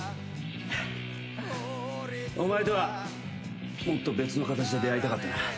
お前とはもっと別の形で出会いたかったな。